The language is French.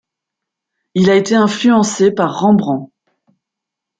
Il a été influencé par Rembrandt.